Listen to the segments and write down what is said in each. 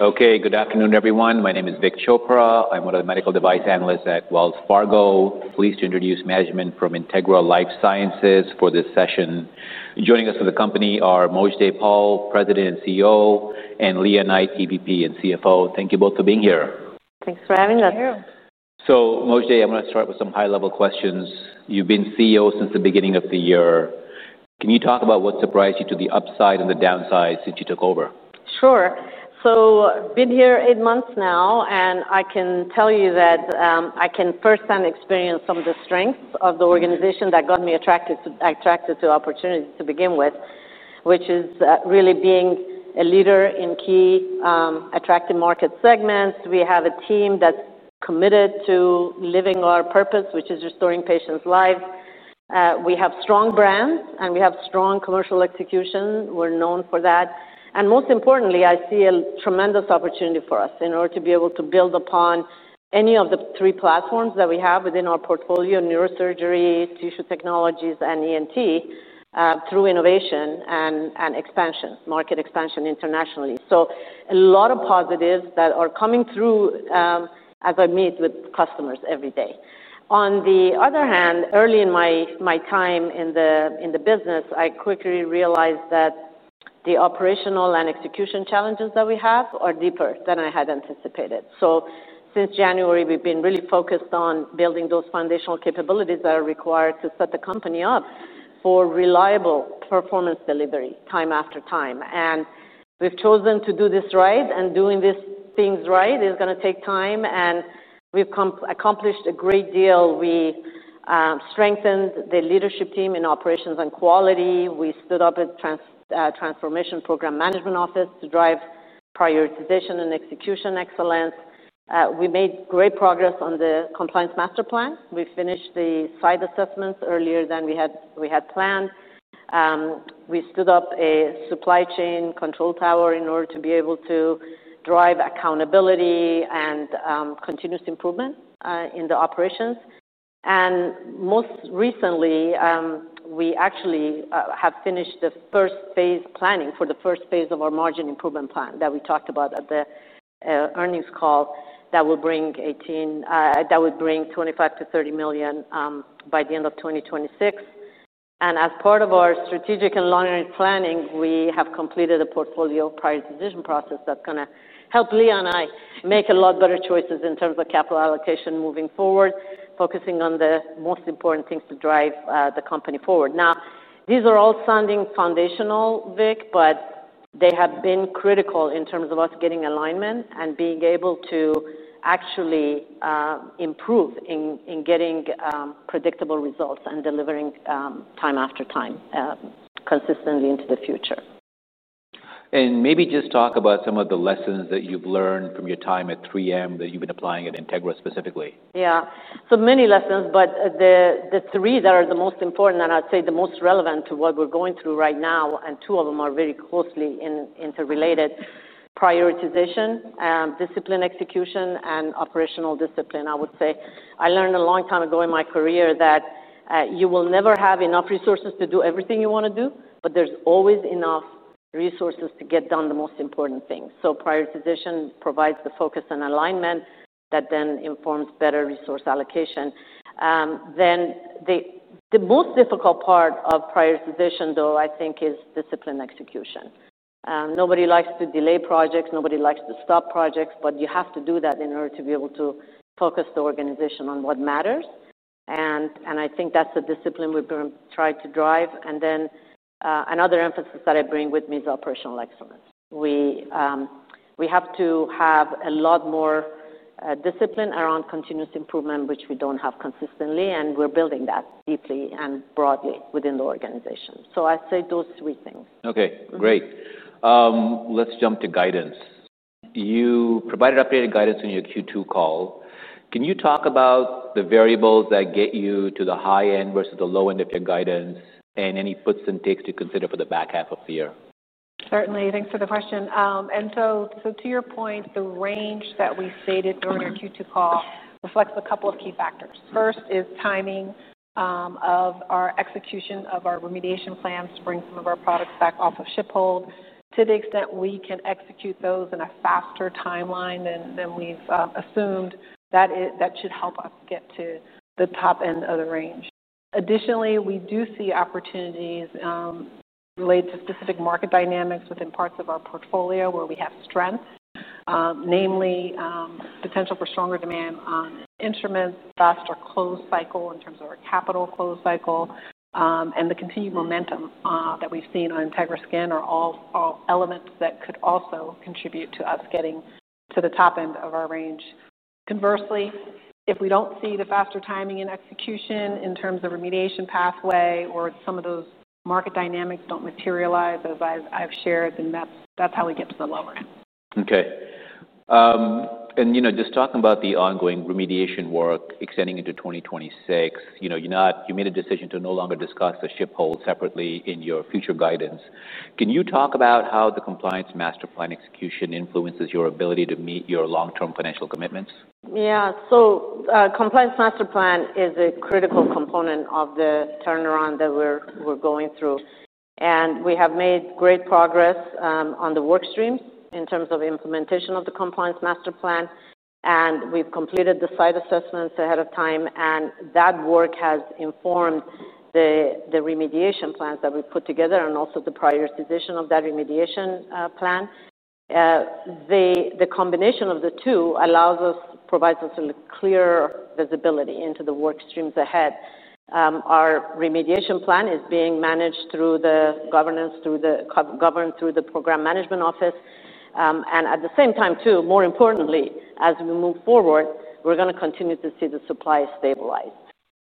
Okay, good afternoon everyone. My name is Vik Chopra. I'm one of the Medical Device Analysts at Wells Fargo. Pleased to introduce management from Integra LifeSciences for this session. Joining us from the company are Mojdeh Poul, President and CEO, and Lea Knight, EVP and CFO. Thank you both for being here. Thanks for having us. Thank you. So Mojdeh, I'm going to start with some high-level questions. You've been CEO since the beginning of the year. Can you talk about what surprised you to the upside and the downside since you took over? Sure. So I've been here eight months now, and I can tell you that I can firsthand experience some of the strengths of the organization that got me attracted to opportunities to begin with, which is really being a leader in key attractive market segments. We have a team that's committed to living our purpose, which is restoring patients' lives. We have strong brands, and we have strong commercial execution. We're known for that. And most importantly, I see a tremendous opportunity for us in order to be able to build upon any of the three platforms that we have within our portfolio: Neurosurgery, Tissue Technologies, and ENT through innovation and expansion, market expansion internationally. So a lot of positives that are coming through as I meet with customers every day. On the other hand, early in my time in the business, I quickly realized that the operational and execution challenges that we have are deeper than I had anticipated, so since January, we've been really focused on building those foundational capabilities that are required to set the company up for reliable performance delivery time after time, and we've chosen to do this right, and doing these things right is going to take time, and we've accomplished a great deal. We strengthened the leadership team in operations and quality. We stood up a transformation program management office to drive prioritization and execution excellence. We made great progress on the Compliance Master Plan. We finished the site assessments earlier than we had planned. We stood up a supply chain control tower in order to be able to drive accountability and continuous improvement in the operations. Most recently, we actually have finished the first phase planning for the first phase of our margin improvement plan that we talked about at the earnings call that will bring $25 million-$30 million by the end of 2026. As part of our strategic and long-term planning, we have completed a portfolio prioritization process that's going to help Lea and I make a lot better choices in terms of capital allocation moving forward, focusing on the most important things to drive the company forward. Now, these are all sounding foundational, Vik, but they have been critical in terms of us getting alignment and being able to actually improve in getting predictable results and delivering time after time consistently into the future. Maybe just talk about some of the lessons that you've learned from your time at 3M that you've been applying at Integra specifically. Yeah. So many lessons, but the three that are the most important and I'd say the most relevant to what we're going through right now, and two of them are very closely interrelated: prioritization, discipline execution, and operational discipline, I would say. I learned a long time ago in my career that you will never have enough resources to do everything you want to do, but there's always enough resources to get done the most important things. So prioritization provides the focus and alignment that then informs better resource allocation. Then the most difficult part of prioritization, though, I think, is discipline execution. Nobody likes to delay projects. Nobody likes to stop projects, but you have to do that in order to be able to focus the organization on what matters. And I think that's the discipline we're going to try to drive. And then another emphasis that I bring with me is operational excellence. We have to have a lot more discipline around continuous improvement, which we don't have consistently, and we're building that deeply and broadly within the organization. So I'd say those three things. Okay, great. Let's jump to guidance. You provided updated guidance in your Q2 call. Can you talk about the variables that get you to the high end versus the low end of your guidance and any puts and takes to consider for the back half of the year? Certainly. Thanks for the question. And so to your point, the range that we stated during our Q2 call reflects a couple of key factors. First is timing of our execution of our remediation plans to bring some of our products back off of ship hold to the extent we can execute those in a faster timeline than we've assumed. That should help us get to the top end of the range. Additionally, we do see opportunities related to specific market dynamics within parts of our portfolio where we have strengths, namely potential for stronger demand on instruments, faster close cycle in terms of our capital close cycle, and the continued momentum that we've seen on Integra Skin are all elements that could also contribute to us getting to the top end of our range. Conversely, if we don't see the faster timing and execution in terms of remediation pathway or some of those market dynamics don't materialize, as I've shared, then that's how we get to the lower end. Okay. And just talking about the ongoing remediation work extending into 2026, you made a decision to no longer discuss the ship hold separately in your future guidance. Can you talk about how the Compliance Master Plan execution influences your ability to meet your long-term financial commitments? Yeah. So Compliance Master Plan is a critical component of the turnaround that we're going through. And we have made great progress on the work streams in terms of implementation of the Compliance Master Plan. And we've completed the site assessments ahead of time, and that work has informed the remediation plans that we put together and also the prioritization of that remediation plan. The combination of the two provides us with a clear visibility into the work streams ahead. Our remediation plan is being managed through the governance through the program management office. And at the same time, too, more importantly, as we move forward, we're going to continue to see the supply stabilize.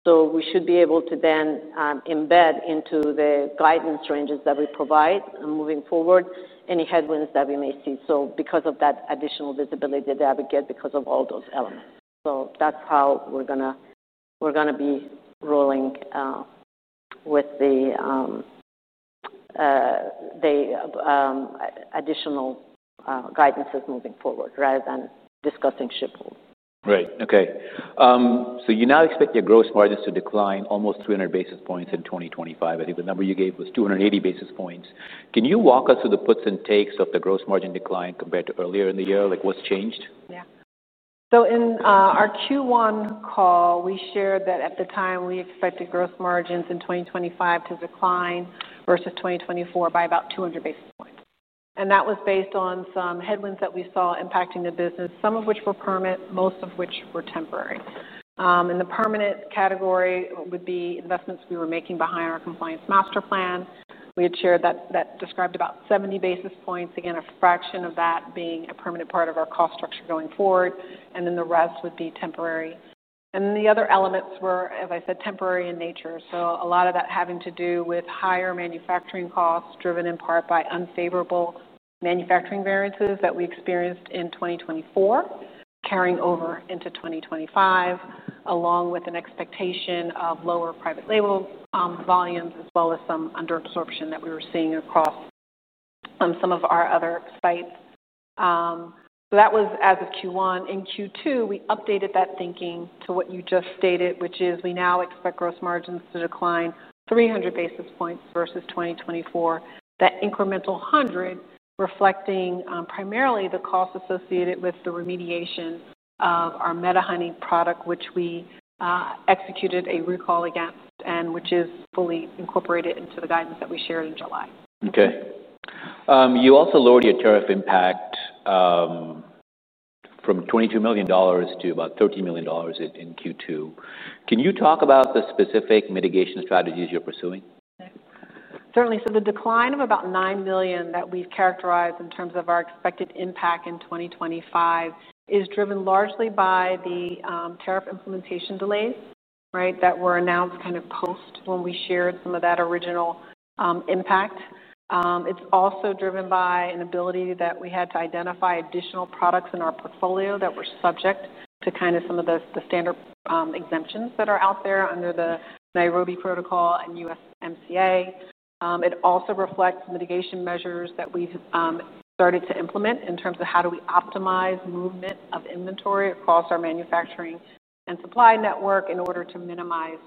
So we should be able to then embed into the guidance ranges that we provide moving forward any headwinds that we may see. So because of that additional visibility that we get because of all those elements. So that's how we're going to be rolling with the additional guidances moving forward rather than discussing ship hold. Great. Okay. So you now expect your gross margins to decline almost 300 basis points in 2025. I think the number you gave was 280 basis points. Can you walk us through the puts and takes of the gross margin decline compared to earlier in the year? What's changed? Yeah. So in our Q1 call, we shared that at the time we expected gross margins in 2025 to decline versus 2024 by about 200 basis points. And that was based on some headwinds that we saw impacting the business, some of which were permanent, most of which were temporary. In the permanent category would be investments we were making behind our Compliance Master Plan. We had shared that described about 70 basis points, again, a fraction of that being a permanent part of our cost structure going forward, and then the rest would be temporary. And then the other elements were, as I said, temporary in nature. So a lot of that having to do with higher manufacturing costs driven in part by unfavorable manufacturing variances that we experienced in 2024 carrying over into 2025, along with an expectation of lower private label volumes as well as some underabsorption that we were seeing across some of our other sites. So that was as of Q1. In Q2, we updated that thinking to what you just stated, which is we now expect gross margins to decline 300 basis points versus 2024. That incremental hundred reflecting primarily the cost associated with the remediation of our MediHoney product, which we executed a recall against and which is fully incorporated into the guidance that we shared in July. Okay. You also lowered your tariff impact from $22 million to about $30 million in Q2. Can you talk about the specific mitigation strategies you're pursuing? Certainly. So the decline of about $9 million that we've characterized in terms of our expected impact in 2025 is driven largely by the tariff implementation delays, right, that were announced kind of post when we shared some of that original impact. It's also driven by an ability that we had to identify additional products in our portfolio that were subject to kind of some of the standard exemptions that are out there under the Nairobi Protocol and USMCA. It also reflects mitigation measures that we've started to implement in terms of how do we optimize movement of inventory across our manufacturing and supply network in order to minimize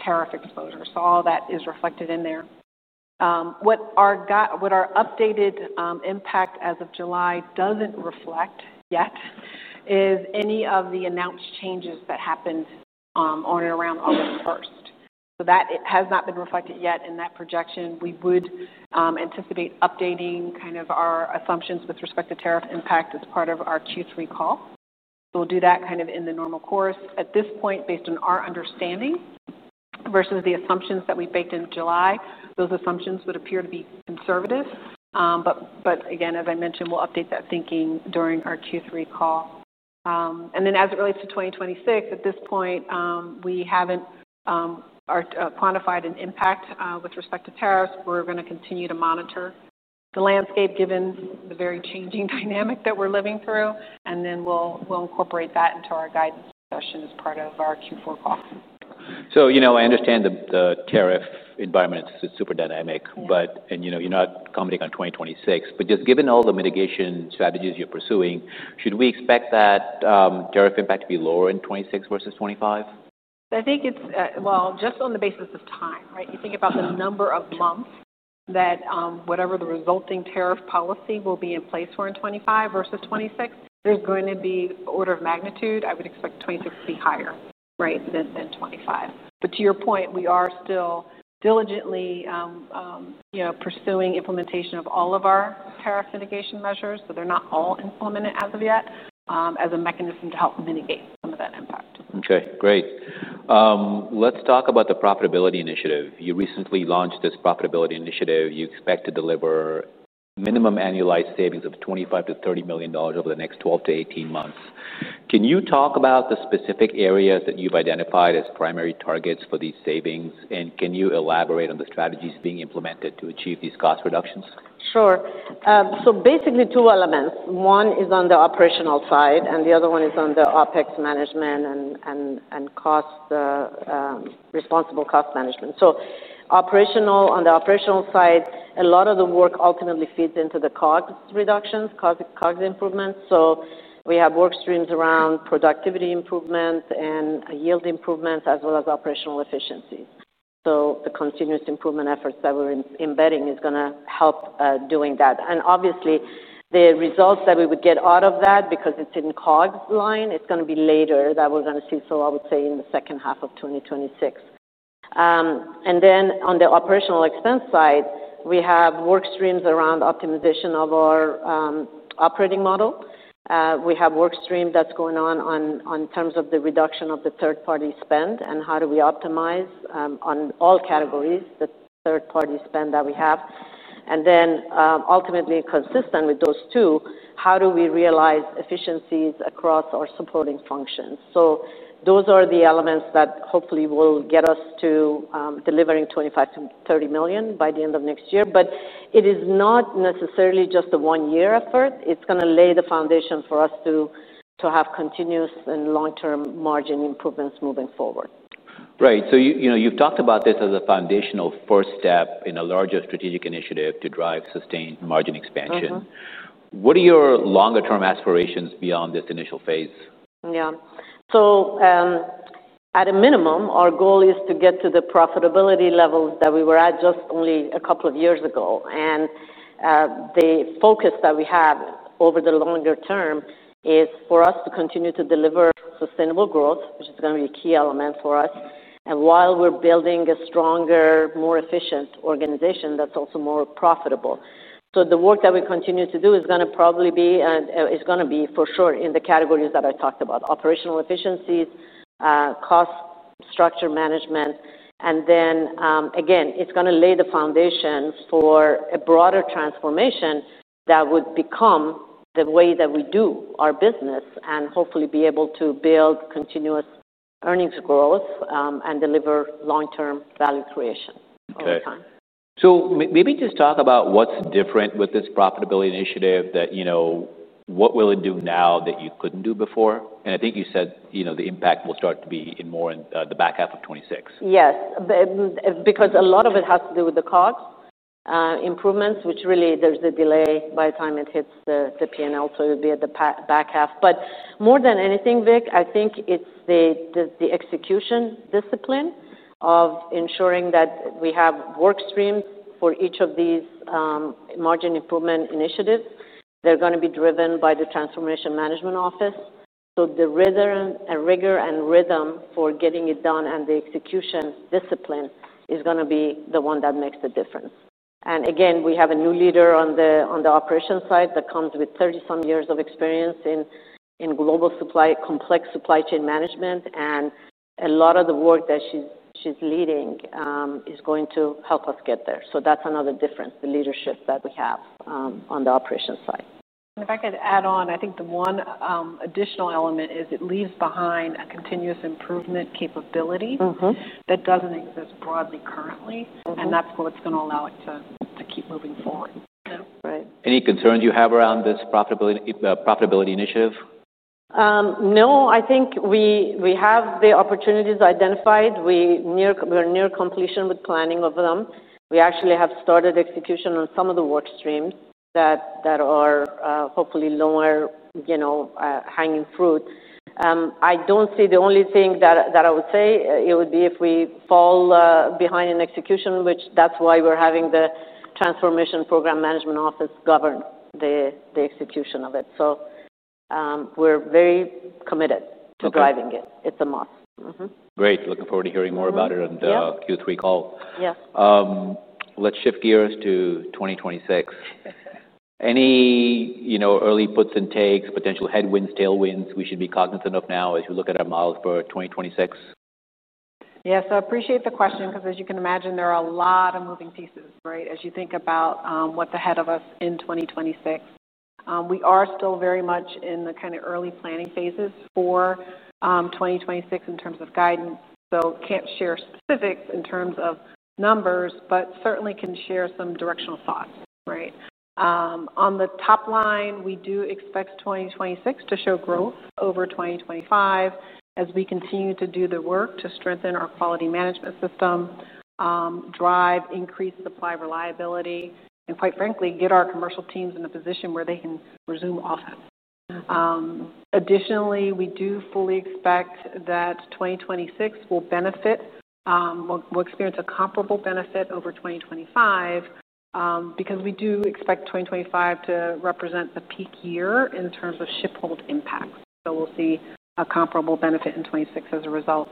tariff exposure. So all that is reflected in there. What our updated impact as of July doesn't reflect yet is any of the announced changes that happened on and around August 1st. So that has not been reflected yet in that projection. We would anticipate updating kind of our assumptions with respect to tariff impact as part of our Q3 call. We'll do that kind of in the normal course. At this point, based on our understanding versus the assumptions that we baked in July, those assumptions would appear to be conservative. But again, as I mentioned, we'll update that thinking during our Q3 call. And then as it relates to 2026, at this point, we haven't quantified an impact with respect to tariffs. We're going to continue to monitor the landscape given the very changing dynamic that we're living through, and then we'll incorporate that into our guidance discussion as part of our Q4 call. So I understand the tariff environment is super dynamic, and you're not commenting on 2026. But just given all the mitigation strategies you're pursuing, should we expect that tariff impact to be lower in 2026 versus 2025? I think it's, well, just on the basis of time, right? You think about the number of months that whatever the resulting tariff policy will be in place for in 2025 versus 2026, there's going to be order of magnitude. I would expect 2026 to be higher, right, than 2025. But to your point, we are still diligently pursuing implementation of all of our tariff mitigation measures. So they're not all implemented as of yet as a mechanism to help mitigate some of that impact. Okay, great. Let's talk about the profitability initiative. You recently launched this profitability initiative. You expect to deliver minimum annualized savings of $25 million-$30 million over the next 12-18 months. Can you talk about the specific areas that you've identified as primary targets for these savings? And can you elaborate on the strategies being implemented to achieve these cost reductions? Sure. So basically, two elements. One is on the operational side, and the other one is on the OpEx management and responsible cost management. So on the operational side, a lot of the work ultimately feeds into the COGS reductions, COGS improvements. So we have work streams around productivity improvement and yield improvements as well as operational efficiencies. So the continuous improvement efforts that we're embedding is going to help doing that and obviously, the results that we would get out of that because it's in COGS line, it's going to be later that we're going to see, so I would say in the second half of 2026. Then on the operational expense side, we have work streams around optimization of our operating model. We have work stream that's going on in terms of the reduction of the third-party spend and how do we optimize on all categories, the third-party spend that we have, and then ultimately, consistent with those two, how do we realize efficiencies across our supporting functions, so those are the elements that hopefully will get us to delivering $25 million-$30 million by the end of next year, but it is not necessarily just a one-year effort, it's going to lay the foundation for us to have continuous and long-term margin improvements moving forward. Right. So you've talked about this as a foundational first step in a larger strategic initiative to drive sustained margin expansion. What are your longer-term aspirations beyond this initial phase? Yeah. So at a minimum, our goal is to get to the profitability levels that we were at just only a couple of years ago. And the focus that we have over the longer term is for us to continue to deliver sustainable growth, which is going to be a key element for us. And while we're building a stronger, more efficient organization, that's also more profitable. So the work that we continue to do is going to probably be for sure in the categories that I talked about: operational efficiencies, cost structure management. And then again, it's going to lay the foundation for a broader transformation that would become the way that we do our business and hopefully be able to build continuous earnings growth and deliver long-term value creation over time. Okay. So maybe just talk about what's different with this profitability initiative, that what will it do now that you couldn't do before? And I think you said the impact will start to be more in the back half of 2026. Yes. Because a lot of it has to do with the COGS improvements, which really there's a delay by the time it hits the P&L. So it'll be at the back half, but more than anything, Vik, I think it's the execution discipline of ensuring that we have work streams for each of these margin improvement initiatives. They're going to be driven by the Transformation Management Office. So the rigor and rhythm for getting it done and the execution discipline is going to be the one that makes the difference. And again, we have a new leader on the Operations side that comes with 30-some years of experience in global complex supply chain management. And a lot of the work that she's leading is going to help us get there. So that's another difference, the leadership that we have on the operations side. And if I could add on, I think the one additional element is it leaves behind a continuous improvement capability that doesn't exist broadly currently. And that's what's going to allow it to keep moving forward. Any concerns you have around this profitability initiative? No. I think we have the opportunities identified. We're near completion with planning of them. We actually have started execution on some of the work streams that are hopefully lower hanging fruit. I don't see the only thing that I would say it would be if we fall behind in execution, which that's why we're having the transformation program management office govern the execution of it. So we're very committed to driving it. It's a must. Great. Looking forward to hearing more about it on the Q3 call. Let's shift gears to 2026. Any early thoughts and takes, potential headwinds, tailwinds we should be cognizant of now as you look at your milestones for 2026? Yes. I appreciate the question because as you can imagine, there are a lot of moving pieces, right, as you think about what's ahead of us in 2026. We are still very much in the kind of early planning phases for 2026 in terms of guidance. So can't share specifics in terms of numbers, but certainly can share some directional thoughts, right? On the top line, we do expect 2026 to show growth over 2025 as we continue to do the work to strengthen our quality management system, drive, increase supply reliability, and quite frankly, get our commercial teams in a position where they can resume office. Additionally, we do fully expect that 2026 will benefit. We'll experience a comparable benefit over 2025 because we do expect 2025 to represent a peak year in terms of ship hold impacts. So we'll see a comparable benefit in 2026 as a result.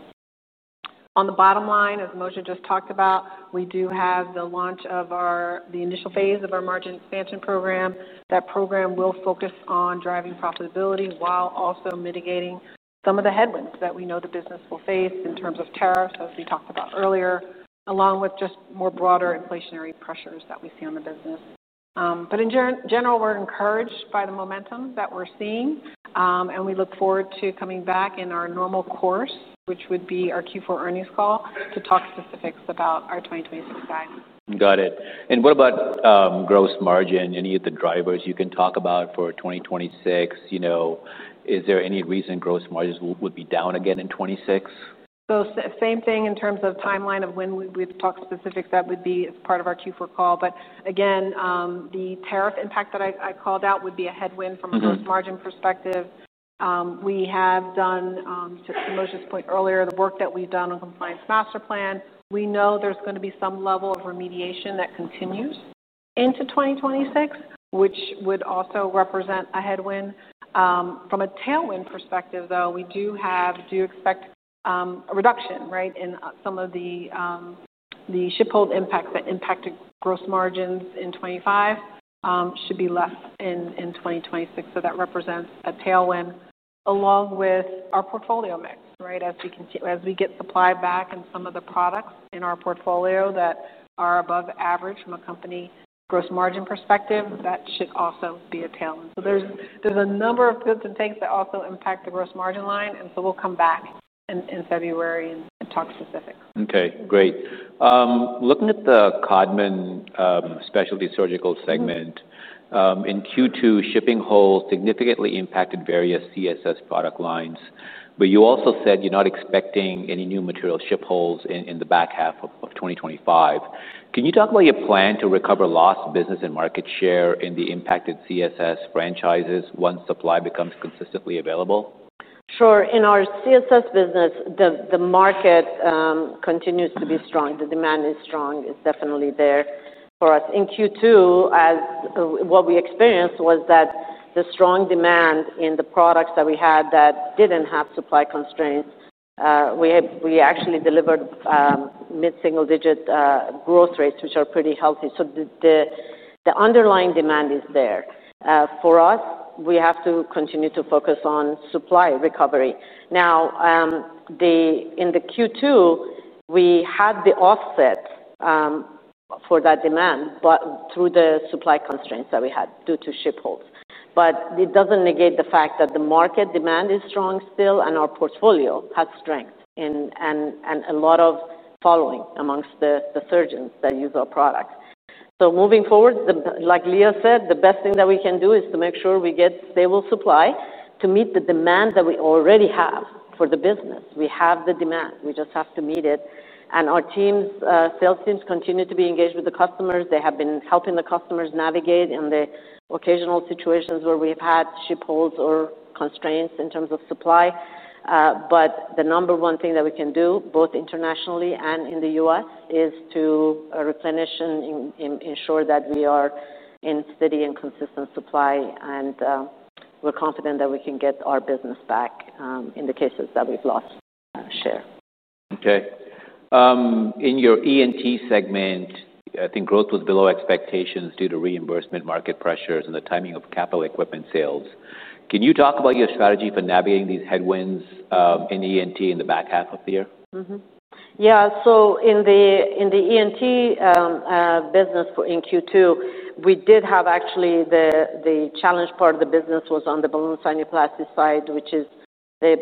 On the bottom line, as Mojdeh just talked about, we do have the launch of the initial phase of our Margin expansion program. That program will focus on driving profitability while also mitigating some of the headwinds that we know the business will face in terms of tariffs, as we talked about earlier, along with just more broader inflationary pressures that we see on the business. But in general, we're encouraged by the momentum that we're seeing, and we look forward to coming back in our normal course, which would be our Q4 earnings call, to talk specifics about our 2026 guidance. Got it. And what about gross margin? Any of the drivers you can talk about for 2026? Is there any reason gross margins would be down again in 2026? So same thing in terms of timeline of when we would talk specifics. That would be as part of our Q4 call. But again, the tariff impact that I called out would be a headwind from a gross margin perspective. We have done, to Mojdeh's point earlier, the work that we've done on Compliance Master Plan. We know there's going to be some level of remediation that continues into 2026, which would also represent a headwind. From a tailwind perspective, though, we do expect a reduction, right, in some of the ship hold impacts that impacted gross margins in 2025 should be less in 2026. So that represents a tailwind along with our portfolio mix, right, as we get supply back and some of the products in our portfolio that are above average from a company gross margin perspective, that should also be a tailwind. So there's a number of goods and things that also impact the gross margin line. And so we'll come back in February and talk specifics. Okay. Great. Looking at the Codman Specialty Surgical segment, in Q2, shipping holds significantly impacted various CSS product lines. But you also said you're not expecting any new material ship holds in the back half of 2025. Can you talk about your plan to recover lost business and market share in the impacted CSS Franchises once supply becomes consistently available? Sure. In our CSS business, the market continues to be strong. The demand is strong. It's definitely there for us. In Q2, what we experienced was that the strong demand in the products that we had that didn't have supply constraints, we actually delivered mid-single-digit growth rates, which are pretty healthy. So the underlying demand is there. For us, we have to continue to focus on supply recovery. Now, in the Q2, we had the offset for that demand through the supply constraints that we had due to ship holds. But it doesn't negate the fact that the market demand is strong still and our portfolio has strength and a lot of following amongst the surgeons that use our products. So moving forward, like Lea said, the best thing that we can do is to make sure we get stable supply to meet the demand that we already have for the business. We have the demand. We just have to meet it. And our sales teams continue to be engaged with the customers. They have been helping the customers navigate in the occasional situations where we've had ship holds or constraints in terms of supply. But the number one thing that we can do, both internationally and in the U.S., is to replenish and ensure that we are in steady and consistent supply and we're confident that we can get our business back in the cases that we've lost share. Okay. In your ENT segment, I think growth was below expectations due to reimbursement market pressures and the timing of capital equipment sales. Can you talk about your strategy for navigating these headwinds in ENT in the back half of the year? Yeah. So in the ENT business in Q2, we did have actually the challenge part of the business was on the Balloon Sinuplasty side, which is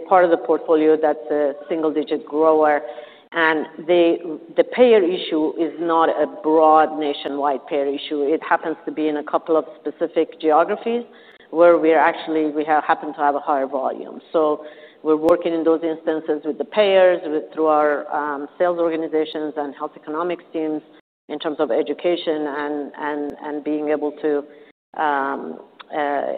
part of the portfolio that's a single-digit grower. And the payer issue is not a broad nationwide payer issue. It happens to be in a couple of specific geographies where we happen to have a higher volume. So we're working in those instances with the payers through our sales organizations and health economics teams in terms of education and being able to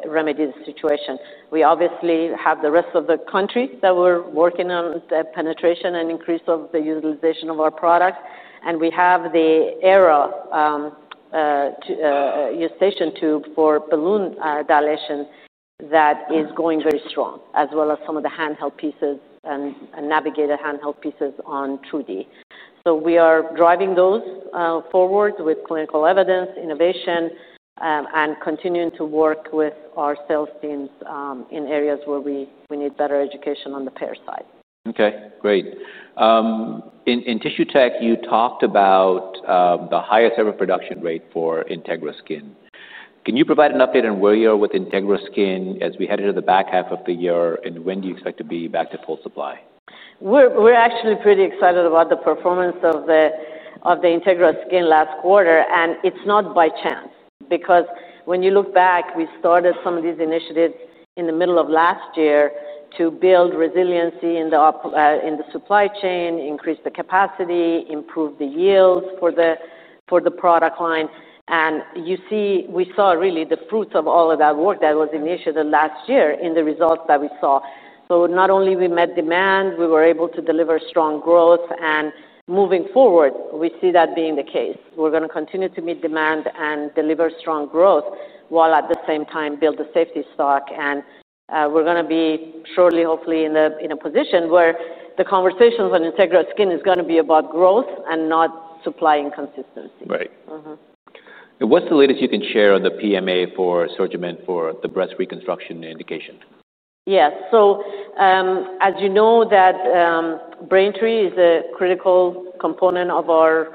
remedy the situation. We obviously have the rest of the country that we're working on the penetration and increase of the utilization of our product. And we have the Aera Eustachian Tube for balloon dilation that is going very strong, as well as some of the handheld pieces and navigated handheld pieces on 2D. We are driving those forward with clinical evidence, innovation, and continuing to work with our sales teams in areas where we need better education on the payer side. Okay. Great. In Tissue Tech, you talked about the highest ever production rate for Integra Skin. Can you provide an update on where you are with Integra Skin as we head into the back half of the year and when do you expect to be back to full supply? We're actually pretty excited about the performance of the Integra Skin last quarter. And it's not by chance. Because when you look back, we started some of these initiatives in the middle of last year to build resiliency in the supply chain, increase the capacity, improve the yields for the product line. And we saw really the fruits of all of that work that was initiated last year in the results that we saw. So not only we met demand, we were able to deliver strong growth. And moving forward, we see that being the case. We're going to continue to meet demand and deliver strong growth while at the same time build the safety stock. And we're going to be shortly, hopefully, in a position where the conversation on Integra Skin is going to be about growth and not supply inconsistency. Right. What's the latest you can share on the PMA for SurgiMend for the breast reconstruction indication? Yes, so as you know, Braintree is a critical component of our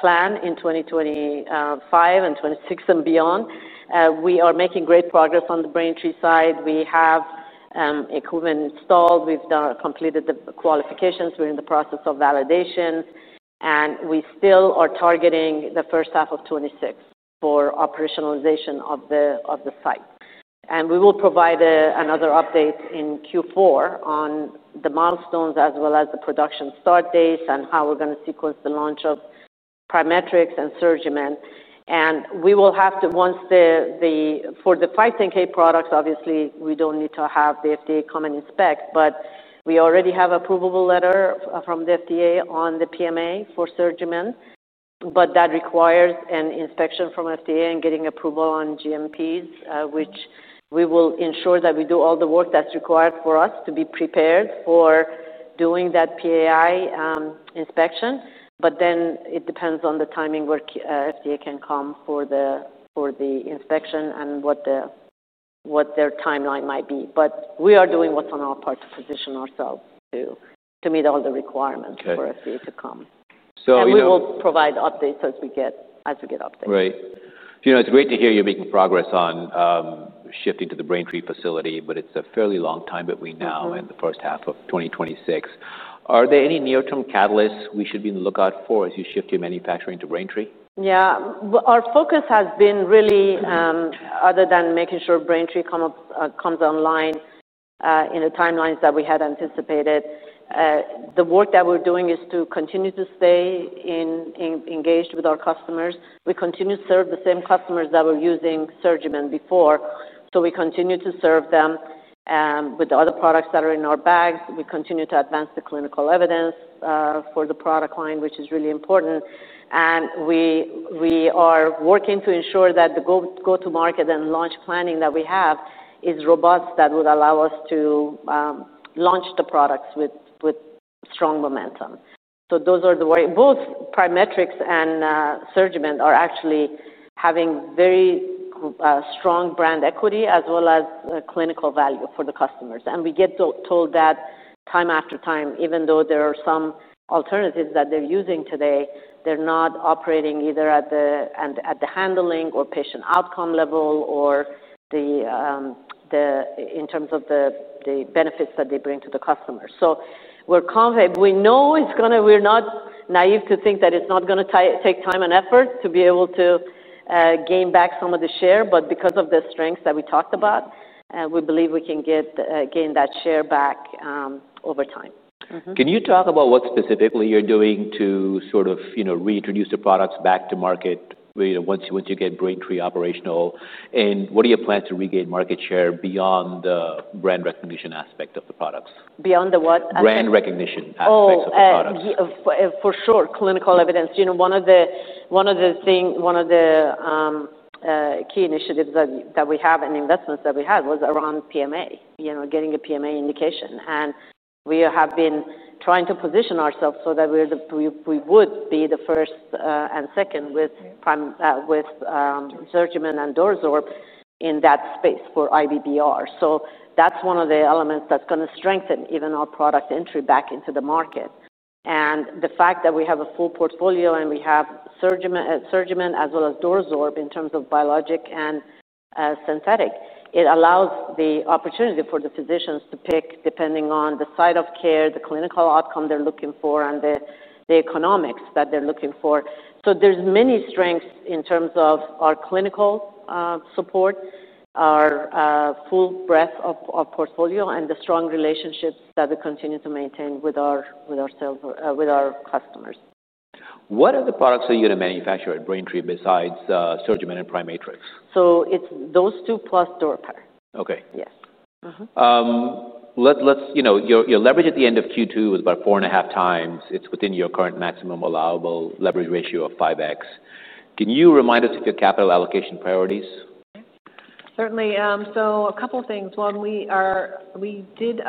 plan in 2025 and 2026 and beyond. We are making great progress on the Braintree side. We have equipment installed, we've completed the qualifications. We're in the process of validation, and we still are targeting the first half of 2026 for operationalization of the site. And we will provide another update in Q4 on the milestones as well as the production start dates and how we're going to sequence the launch of PriMatrix and SurgiMend, and we will have to, for the 510(k) products, obviously, we don't need to have the FDA come and inspect, but we already have approval letter from the FDA on the PMA for SurgiMend. But that requires an inspection from FDA and getting approval on GMPs, which we will ensure that we do all the work that's required for us to be prepared for doing that PAI inspection. But then it depends on the timing where FDA can come for the inspection and what their timeline might be. But we are doing what's on our part to position ourselves to meet all the requirements for FDA to come. And we will provide updates as we get updates. Right. It's great to hear you're making progress on shifting to the Braintree facility, but it's a fairly long time between now and the first half of 2026. Are there any near-term catalysts we should be on the lookout for as you shift your manufacturing to Braintree? Yeah. Our focus has been really, other than making sure Braintree comes online in the timelines that we had anticipated, the work that we're doing is to continue to stay engaged with our customers. We continue to serve the same customers that were using SurgiMend before. So we continue to serve them with other products that are in our bags. We continue to advance the clinical evidence for the product line, which is really important. We are working to ensure that the go-to-market and launch planning that we have is robust that would allow us to launch the products with strong momentum. So those are the way both PriMatrix and SurgiMend are actually having very strong brand equity as well as clinical value for the customers. We get told that time after time, even though there are some alternatives that they're using today, they're not operating either at the handling or patient outcome level or in terms of the benefits that they bring to the customers. We know it's going to, we're not naive to think that it's not going to take time and effort to be able to gain back some of the share. Because of the strengths that we talked about, we believe we can gain that share back over time. Can you talk about what specifically you're doing to sort of reintroduce the products back to market once you get Braintree operational? And what are your plans to regain market share beyond the brand recognition aspect of the products? Beyond the what? Brand recognition aspects of the products. For sure, clinical evidence. One of the key initiatives that we have and investments that we have was around PMA, getting a PMA indication, and we have been trying to position ourselves so that we would be the first and second with SurgiMend and DuraSorb in that space for IBBR, so that's one of the elements that's going to strengthen even our product entry back into the market, and the fact that we have a full portfolio and we have SurgiMend as well as DuraSorb in terms of biologic and synthetic, it allows the opportunity for the physicians to pick depending on the side of care, the clinical outcome they're looking for, and the economics that they're looking for, so there's many strengths in terms of our clinical support, our full breadth of portfolio, and the strong relationships that we continue to maintain with our customers. What other products are you going to manufacture at Braintree besides SurgiMend and PriMatrix? So it's those two plus DuraSorb. Okay. Yes. You leveraged at the end of Q2 with about 4.5x, it's within your current maximum allowable leverage ratio of 5x. Can you remind us of your capital allocation priorities? Certainly. So a couple of things. Well, we did,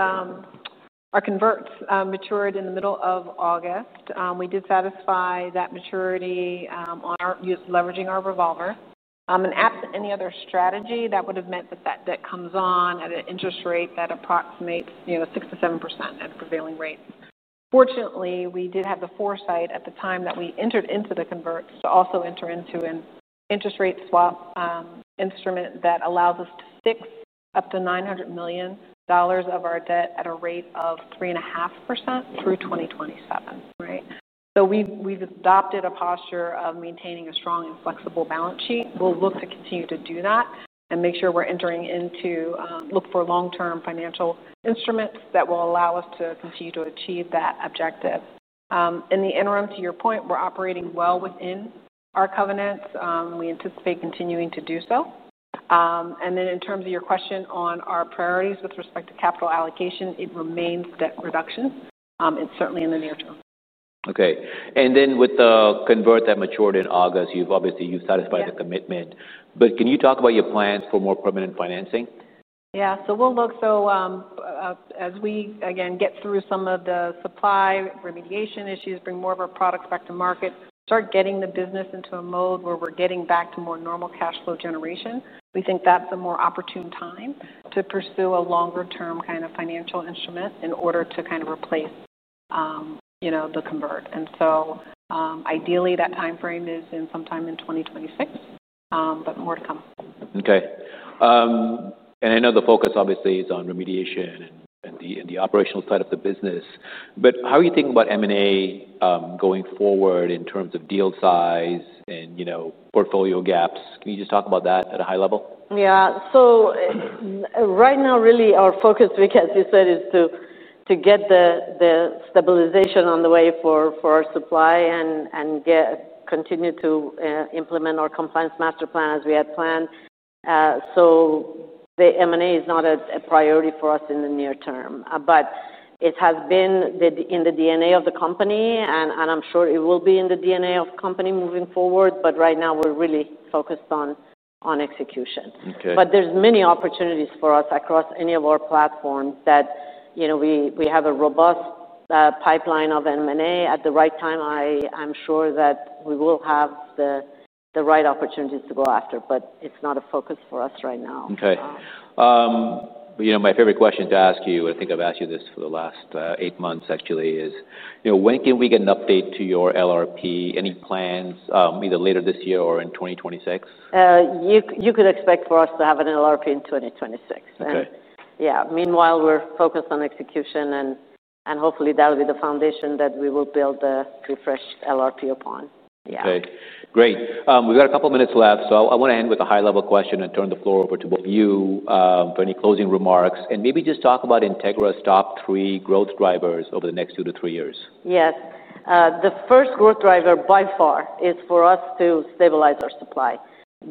our converts matured in the middle of August. We did satisfy that maturity leveraging our revolver. And absent any other strategy, that would have meant that that comes on at an interest rate that approximates 6%-7% at prevailing rates. Fortunately, we did have the foresight at the time that we entered into the converts to also enter into an interest rate swap instrument that allows us to fix up to $900 million of our debt at a rate of 3.5% through 2027, right? So we've adopted a posture of maintaining a strong and flexible balance sheet. We'll look to continue to do that and make sure we're entering into, look for long-term financial instruments that will allow us to continue to achieve that objective. In the interim, to your point, we're operating well within our covenants. We anticipate continuing to do so, and then in terms of your question on our priorities with respect to capital allocation, it remains debt reduction. It's certainly in the near term. Okay. And then with the convert that matured in August, obviously, you've satisfied the commitment. But can you talk about your plans for more permanent financing? Yeah. So we'll look. So as we, again, get through some of the supply remediation issues, bring more of our products back to market, start getting the business into a mode where we're getting back to more normal cash flow generation, we think that's a more opportune time to pursue a longer-term kind of financial instrument in order to kind of replace the convert. And so ideally, that timeframe is sometime in 2026, but more to come. Okay, and I know the focus obviously is on remediation and the operational side of the business. But how are you thinking about M&A going forward in terms of deal size and portfolio gaps? Can you just talk about that at a high level? Yeah. So right now, really, our focus, as you said, is to get the stabilization on the way for our supply and continue to implement our Compliance Master Plan as we had planned. So the M&A is not a priority for us in the near term. But it has been in the DNA of the company, and I'm sure it will be in the DNA of the company moving forward. But right now, we're really focused on execution. But there's many opportunities for us across any of our platforms that we have a robust pipeline of M&A at the right time. I'm sure that we will have the right opportunities to go after, but it's not a focus for us right now. Okay. My favorite question to ask you, and I think I've asked you this for the last eight months, actually, is when can we get an update to your LRP? Any plans either later this year or in 2026? You could expect for us to have an LRP in 2026. Yeah. Meanwhile, we're focused on execution, and hopefully, that'll be the foundation that we will build a refreshed LRP upon. Yeah. Okay. Great. We've got a couple of minutes left. So I want to end with a high-level question and turn the floor over to both of you for any closing remarks. And maybe just talk about Integra's top three growth drivers over the next two to three years. Yes. The first growth driver by far is for us to stabilize our supply.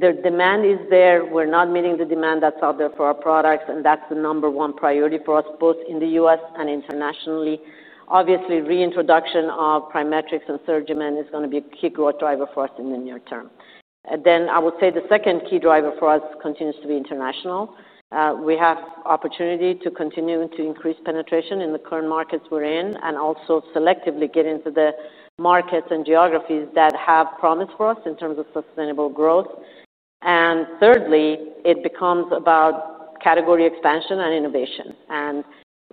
The demand is there. We're not meeting the demand that's out there for our products. And that's the number one priority for us both in the U.S. and internationally. Obviously, reintroduction of PriMatrix and SurgiMend is going to be a key growth driver for us in the near term. Then I would say the second key driver for us continues to be International. We have the opportunity to continue to increase penetration in the current markets we're in and also selectively get into the markets and geographies that have promise for us in terms of sustainable growth. And thirdly, it becomes about category expansion and innovation. And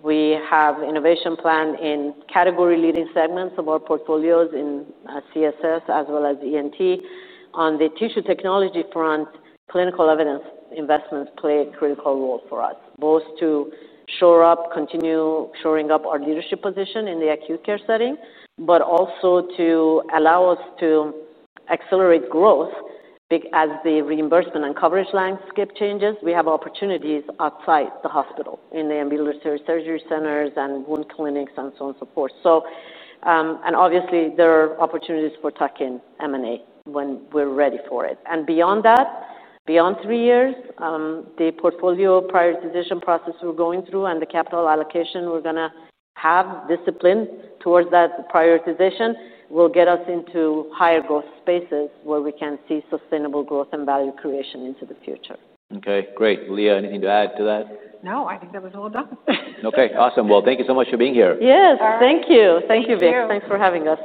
we have innovation planned in category-leading segments of our portfolios in CSS as well as ENT. On the Tissue Technology front, clinical evidence investments play a critical role for us, both to continue shoring up our leadership position in the acute care setting, but also to allow us to accelerate growth as the reimbursement and coverage landscape changes. We have opportunities outside the hospital in the ambulatory surgery centers and wound clinics and so on and so forth. And obviously, there are opportunities for tuck-in M&A when we're ready for it. And beyond that, beyond three years, the portfolio prioritization process we're going through and the capital allocation we're going to have discipline towards that prioritization will get us into higher growth spaces where we can see sustainable growth and value creation into the future. Okay. Great. Lea, anything to add to that? No. I think that was well done. Okay. Awesome. Well, thank you so much for being here. Yes. Thank you. Thank you, Vik. Thanks for having us.